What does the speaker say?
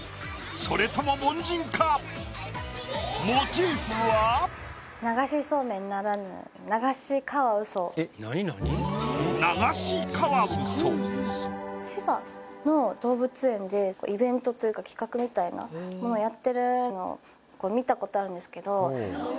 それとも凡人か？というか企画みたいなものをやってるのを見たことあるんですけど。